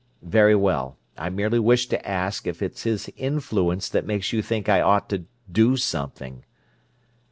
"Very well. I merely wished to ask if it's his influence that makes you think I ought to 'do' something?"